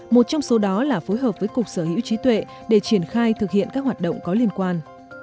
một trong số đó là phối hợp với cục sở hữu trí tuệ để triển khai thực hiện các hoạt động có liên quan